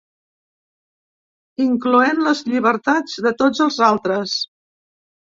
Incloent les llibertats de tots els altres.